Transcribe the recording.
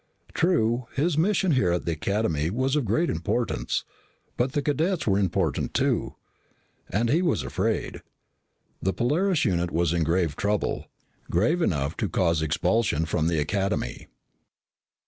True, his mission here at the Academy was of great importance. But cadets were important too. And he was afraid. The Polaris unit was in grave trouble, grave enough to cause expulsion from the Academy.